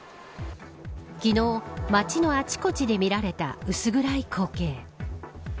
昨日、街のあちこちで見られた薄暗い光景。